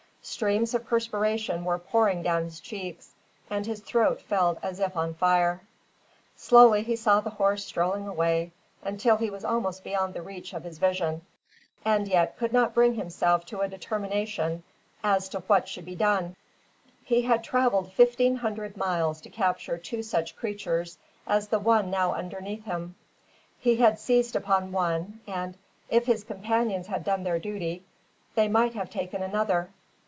Streams of perspiration were pouring down his cheeks, and his throat felt as if on fire. Slowly he saw the horse strolling away, until he was almost beyond the reach of his vision, and yet could not bring himself to a determination as to what should be done. He had travelled fifteen hundred miles to capture two such creatures as the one now underneath him. He had seized upon one, and, if his companions had done their duty, they might have taken another.